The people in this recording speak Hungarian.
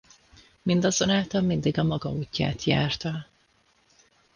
Mindazonáltal mindig a maga útját járta.